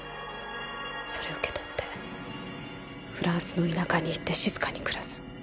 それを受け取ってフランスの田舎に行って静かに暮らす。